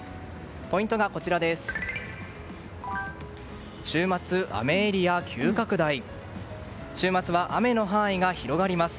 ポイントがこちらです。